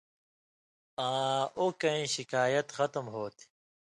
آں اوکیں شکایت ختم ہوتھی۔